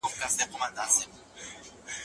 د نافرمانۍ له امله د کور برکتونه ختمېږي.